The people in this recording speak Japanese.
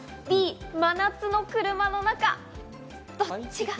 Ｂ、真夏の車の中。